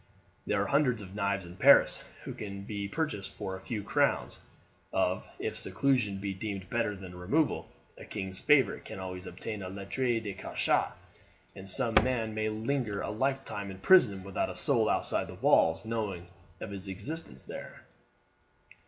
There are hundreds of knives in Paris whose use can be purchased for a few crowns, of if seclusion be deemed better than removal, a king's favourite can always obtain a lettre de cachet, and a man may linger a lifetime in prison without a soul outside the walls knowing of his existence there.